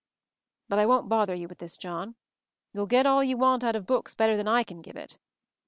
"But I won't bother you with this, John. You'll get all you want out of books better than I can give it.